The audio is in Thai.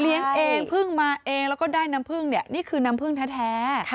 เองเพิ่งมาเองแล้วก็ได้น้ำพึ่งเนี่ยนี่คือน้ำผึ้งแท้